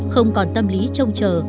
không còn tâm lý trông chờ